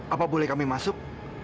apa boleh kami masuk